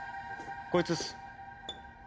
こいつっす。